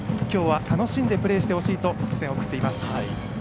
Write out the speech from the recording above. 今日は楽しんでプレーしてほしいと視線を送っています。